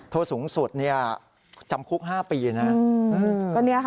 โทษสูงสุดจำคุก๕ปีนะ